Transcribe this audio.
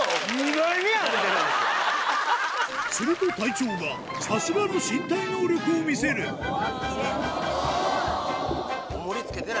すると隊長がさすがの身体能力を見せるきれい！